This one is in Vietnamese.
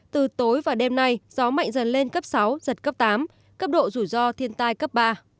từ tối và đêm nay gió mạnh dần lên cấp sáu giật cấp tám cấp độ rủi ro thiên tai cấp ba